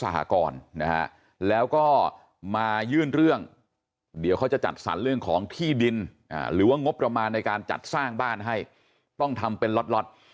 หรือว่างบริมาณในการจัดสร้างบ้านให้ต้องทำเป็นล็อต